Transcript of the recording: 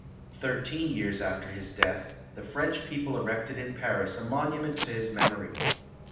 Thirteen years after his death, the French people erected in Paris a monument to his mem ory.